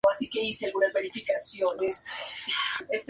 Se reproduce por esquejes semi-maduros o semillas.